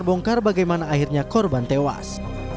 bongkar bagaimana akhirnya korban tewas